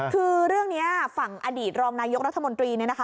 คือเรื่องนี้ฝั่งอดีตรองนายกรัฐมนตรีเนี่ยนะคะ